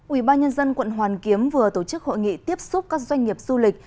ubnd quận hoàn kiếm vừa tổ chức hội nghị tiếp xúc các doanh nghiệp du lịch